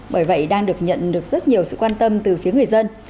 bởi vậy đang được nhận được rất nhiều sự quan tâm từ phía người dân